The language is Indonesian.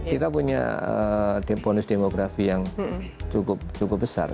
kita punya bonus demografi yang cukup besar